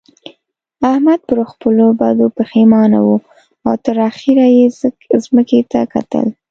احمد پر خپلو بدو پېښمانه وو او تر اخېره يې ځمکې ته کتل.